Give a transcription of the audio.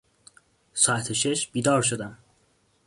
ساعت شش بیدار شدم.